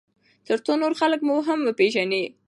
ترڅو نور خلک مو هم وپیژني.